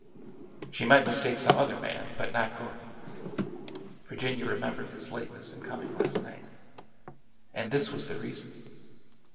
She might mistake some other man, but not Gordon ! Virginia remembered his lateness in coming last night. And this was the reason!